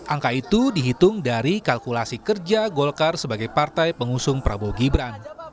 angka itu dihitung dari kalkulasi kerja golkar sebagai partai pengusung prabowo gibran